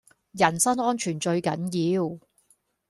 人身安全最緊要